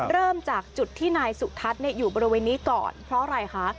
เริ่มจากจุดที่นายสุทัศน์อยู่บริเวณนี้ก่อนเพราะอะไรคะ